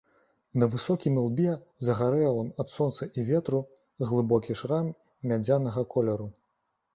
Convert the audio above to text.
На высокім ілбе, загарэлым ад сонца і ветру, глыбокі шрам мядзянага колеру.